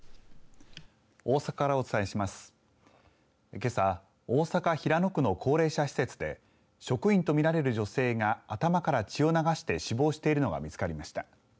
けさ大阪、平野区の高齢者施設で職員とみられる女性が頭から血を流して死亡しているのが見つかりました。